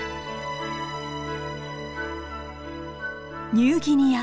ニューギニア